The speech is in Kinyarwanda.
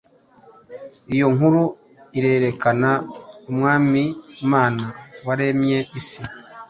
Iyo nkuru irerekana umwamiimana waremye isi